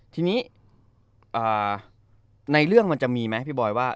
ทีนี้ในเรื่องมันจะมีไหมพี่บอยว่า